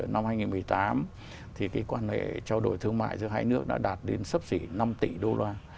năm hai nghìn một mươi tám thì cái quan hệ trao đổi thương mại giữa hai nước đã đạt đến sấp xỉ năm tỷ đô la